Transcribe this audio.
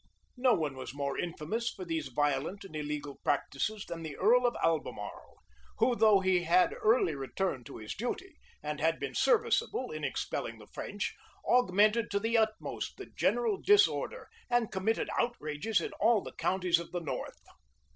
No one was more infamous for these violent and illegal practices than the earl of Albemarle; who, though he had early returned to his duty, and had been serviceable in expelling the French, augmented to the utmost the general disorder, and committed outrages in all the counties of the north.